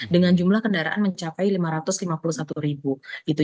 dengan jumlah kendaraan mencapai lima ratus lima puluh satu ribu